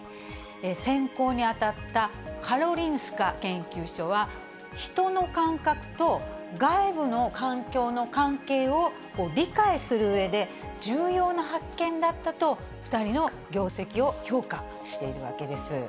選考に当たったカロリンスカ研究所は、ヒトの感覚と外部の環境の関係を理解するうえで、重要な発見だったと、２人の業績を評価しているわけです。